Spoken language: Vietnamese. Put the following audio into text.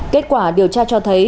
kết quả điều tra cho thấy